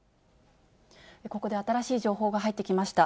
ここで新しい情報が入ってきました。